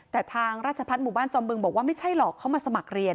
แต่ทางราชพัฒน์หมู่บ้านจอมบึงบอกว่าไม่ใช่หรอกเขามาสมัครเรียน